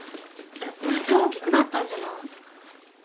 また大きくなったんじゃない？